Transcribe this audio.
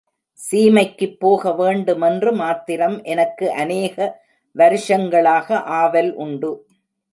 சீமைக்குப் போக வேண்டுமென்று மாத்திரம் எனக்கு அநேக வருஷங்களாக ஆவல் உண்டு.